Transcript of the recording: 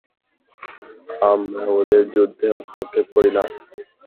আমরা ওদের যুদ্ধে হস্তক্ষেপ করি না।